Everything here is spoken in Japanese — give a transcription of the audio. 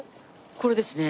これですね。